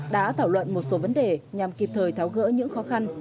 đã thảo luận một số vấn đề nhằm kịp thời tháo gỡ những khó khăn